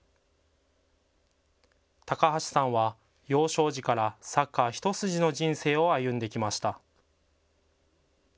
高橋さんは幼少時からサッカー一筋の人生を歩んできました。